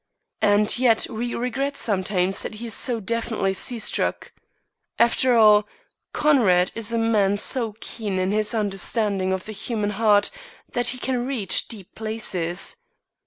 And yet we regret sometimes that he is so definitely sea struck. After all, Conrad is a man so keen in his understanding of the human heart that he can reach deep places.